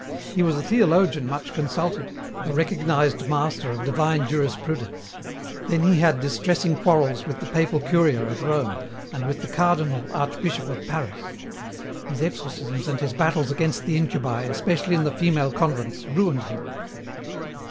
He was a theologian much consulted, a recognized master of divine jurisprudence; then he had distressing quarrels with the papal Curia at Rome and with the Cardinal Archbishop of Paris. His exorcisms and his battles against the incubi, especially in the female convents, ruined him.